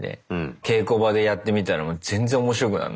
稽古場でやってみたら全然面白くなんなくて。